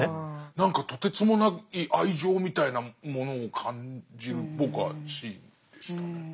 何かとてつもない愛情みたいなものを感じる僕はシーンでしたね。